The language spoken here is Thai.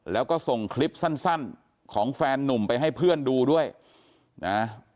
แล้วก็ส่งคลิปสั้นของแฟนนุ่มไปให้เพื่อนดูด้วยนะ